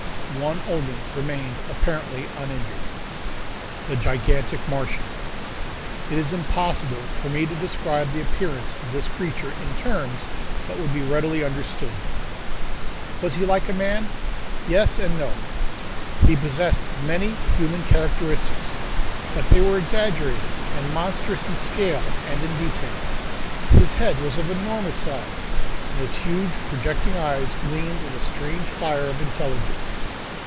One only remained apparently uninjured. The Gigantic Martian. It is impossible for me to describe the appearance of this creature in terms that would be readily understood. Was he like a man? Yes and no. He possessed many human characteristics, but they were exaggerated and monstrous in scale and in detail. His head was of enormous size, and his huge projecting eyes gleamed with a strange fire of intelligence.